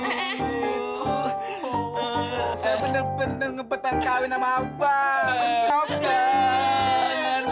oh saya bener bener ngebetan kawin sama bang jeffrey